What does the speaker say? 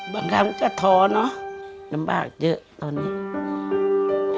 บางครั้งก็ท้อเนอะลำบากเยอะตอนนี้อืม